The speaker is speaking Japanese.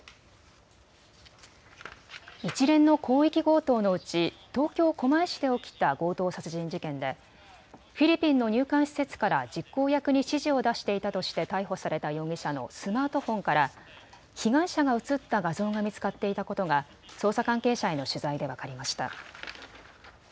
一連の広域強盗のうち東京狛江市で起きた強盗殺人事件でフィリピンの入管施設から実行役に指示を出していたとして逮捕された容疑者のスマートフォンから被害者が写った画像が見つかっていたことが捜査関係者への取材で分かりました。